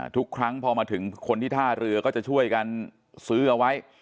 ทุกครั้งพอมาถึงคนที่ท่าเรือก็จะช่วยกันซื้อเอาไว้